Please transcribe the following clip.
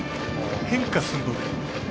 変化するので。